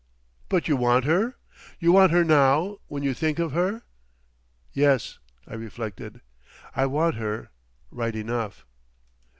"But you want her? You want her now—when you think of her?" "Yes," I reflected. "I want her—right enough."